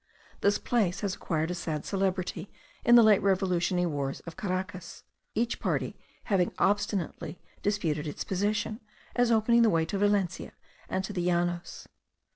This place has acquired a sad celebrity in the late revolutionary wars of Caracas; each party having obstinately disputed its possession, as opening the way to Valencia, and to the Llanos.